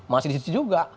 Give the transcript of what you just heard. masih disitu juga